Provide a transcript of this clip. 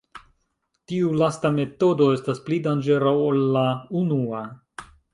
Tiu lasta metodo estas pli danĝera ol la unua.